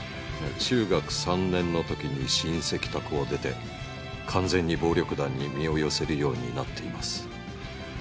中学３年のときに親戚宅を出て完全に暴力団に身を寄せるようになっています。